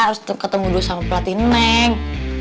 harus ketemu dulu sama pelatih neng